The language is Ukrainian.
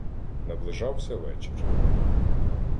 Наближався вечір.